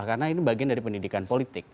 karena ini bagian dari pendidikan politik